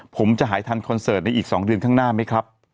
ผมจะหายทันคอนเสิร์ตในอีก๒เดือนข้างหน้าไหมครับ